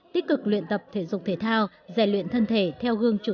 tích cực luyện tập thể dục thể thao giải luyện thân thể theo gương chủ